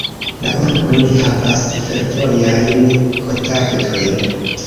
La urbo ne havas fervojajn kontaktojn.